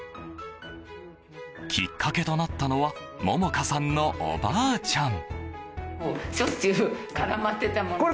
きっかけとなったのは杏果さんのおばあちゃん。